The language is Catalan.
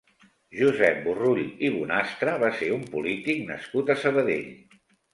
Josep Burrull i Bonastre va ser un polític nascut a Sabadell.